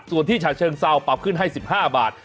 ส่วนที่ฉะเชิงเซาปรับขึ้นให้๑๕บาท